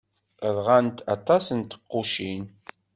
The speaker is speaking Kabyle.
Ṛɣant aṭas n tɛeqqucin.